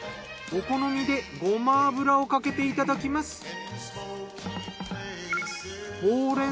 お好みでごま油をかけていただきます。